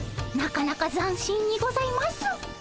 なかなかざんしんにございます。